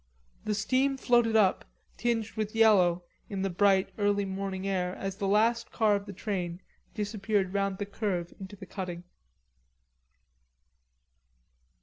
The steam floated up tinged with yellow in the bright early morning air as the last car of the train disappeared round the curve into the cutting.